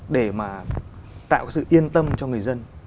để mà tạo sự yên tâm cho người dân